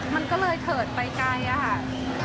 มันก็เลยเถิดไปไกลอะค่ะ